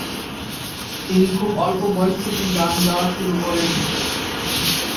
তিনি খুব অল্প বয়স থেকে গান গাওয়া শুরু করেন।